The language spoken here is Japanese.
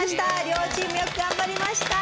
両チームよく頑張りました。